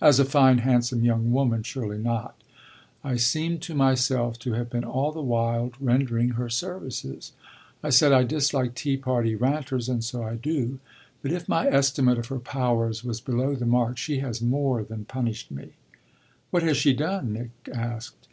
"As a fine, handsome young woman surely not I seem to myself to have been all the while rendering her services. I said I disliked tea party ranters, and so I do; but if my estimate of her powers was below the mark she has more than punished me." "What has she done?" Nick asked.